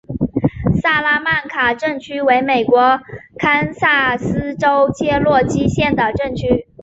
萨拉曼卡镇区为美国堪萨斯州切罗基县的镇区。